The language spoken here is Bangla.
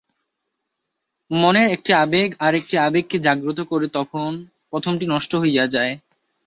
মনের একটি আবেগ আর একটি আবেগকে জাগ্রত করে, তখন প্রথমটি নষ্ট হইয়া যায়।